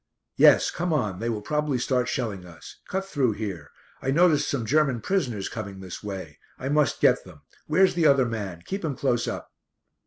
"Yes, come on, they will probably start shelling us. Cut through here. I noticed some German prisoners coming this way. I must get them. Where's the other man? Keep him close up."